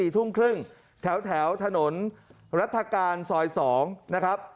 ๔ทุ่มครึ่งแถวถนนรัฐกาลซอย๒นะครับ